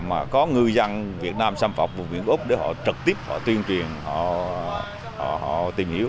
mà có ngư dân việt nam xâm phạm vùng biển úc để họ trực tiếp họ tuyên truyền họ tìm hiểu